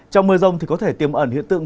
trong mưa rông thì có thể tiềm ẩn hiện tượng